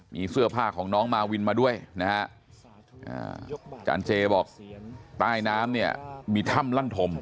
มีเสื้อผ้าของน้องมาวินมาด้วยนะฮะอาจารย์เจบอกใต้น้ำเนี่ยมีถ้ำลั่นธม